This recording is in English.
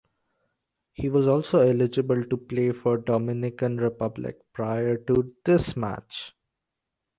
He was also eligible to play for Dominican Republic prior to this match.